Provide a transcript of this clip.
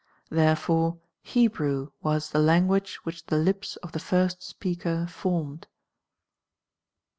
Therefore Hebrew was the language which the lips of tiie first speaker formed.